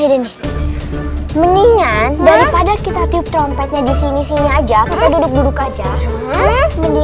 itu mendingan daripada kita type trompetnya disini sini aja kalau duduk duduk aja neng